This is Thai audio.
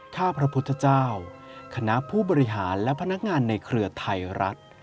ถ้าพระพุทธเจ้าคณะผู้บริหารและพนักงานในเครือไทยรัฐ